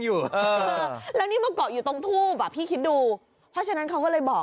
เออแล้วนี่มาเกาะอยู่ตรงทูบอ่ะพี่คิดดูเพราะฉะนั้นเขาก็เลยบอก